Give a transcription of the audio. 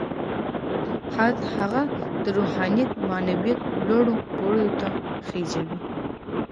هغه د روحانيت او معنويت لوړو پوړيو ته خېژوي.